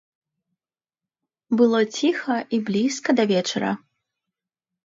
Было ціха і блізка да вечара.